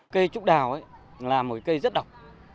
cây trúc đào là một cây rất độc